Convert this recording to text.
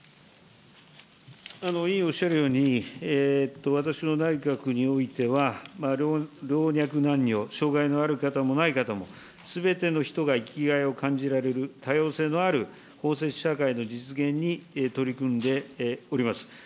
委員おっしゃるように、私の内閣においては、老若男女、障害のある方もない方も、すべての人が生きがいを感じられる、多様性のある包摂社会の実現に取り組んでおります。